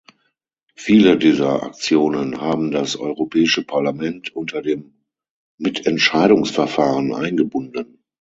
Viele dieser Aktionen haben das Europäische Parlament unter dem Mitentscheidungsverfahren eingebunden.